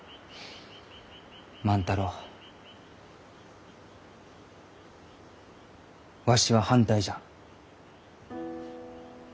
万太郎わしは反対じゃ。